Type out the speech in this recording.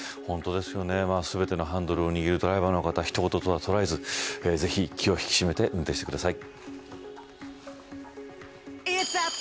全てのハンドルを握るドライバーの方他人ごととは捉えずぜひ気を引き締めて運転してください。